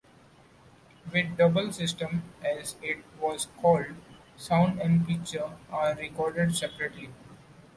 With double system, as it was called, sound and picture are recorded separately.